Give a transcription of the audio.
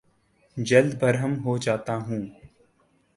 جلد برہم ہو جاتا ہوں